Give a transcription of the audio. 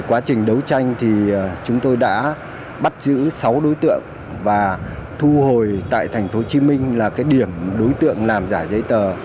quá trình đấu tranh thì chúng tôi đã bắt giữ sáu đối tượng và thu hồi tại tp hcm là cái điểm đối tượng làm giả giấy tờ